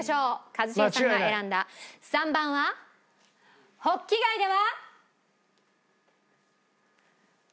一茂さんが選んだ３番はホッキ貝では。